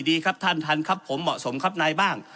ดีครับท่านท่านครับผมเหมาะสมครับนายบ้าง